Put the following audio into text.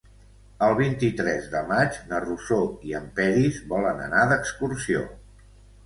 El vint-i-tres de maig na Rosó i en Peris volen anar d'excursió.